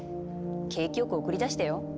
景気良く送り出してよ？